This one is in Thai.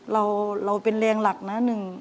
เราเป็นแรงหลักนะ